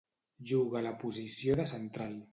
Juga a la posició de central.